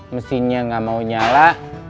mesinnya gak mau nyala